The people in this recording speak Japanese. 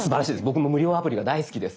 僕も無料アプリが大好きです。